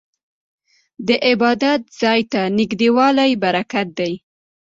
د عبادت ځای ته نږدې والی برکت دی.